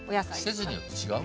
季節によって違うもんね。